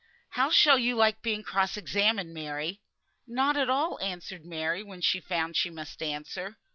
"How shall you like being cross examined, Mary?" "Not at all," answered Mary, when she found she must answer.